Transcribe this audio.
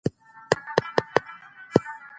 که ډيموکراسي نه وي د سياست انحصار نه ماتيږي.